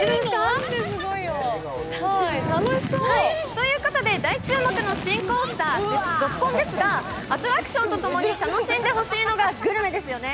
ということで大注目の新コースター、ＺＯＫＫＯＮですがアトラクションとともに楽しんでほしいのがグルメですよね。